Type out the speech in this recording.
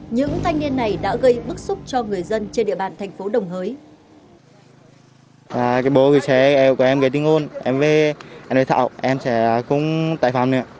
những thanh niên này đã gây bức xúc cho người dân trên địa bàn tp